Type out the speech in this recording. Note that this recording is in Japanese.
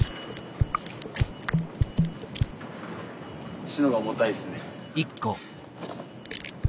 こっちの方が重たいっすね。